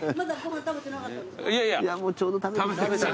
いやもうちょうど食べてきた。